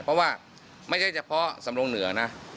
เพราะว่าไม่ใช่เฉพาะสำรงเหนือนะ